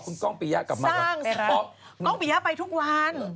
กล้องปียะไปทุกวัน